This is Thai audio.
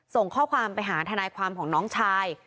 ส่งข้อความไปหาทนายความของน้องชาย